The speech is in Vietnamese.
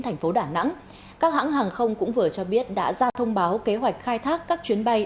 thành phố đà nẵng các hãng hàng không cũng vừa cho biết đã ra thông báo kế hoạch khai thác các chuyến bay